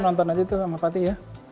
nonton aja tuh sama fatih ya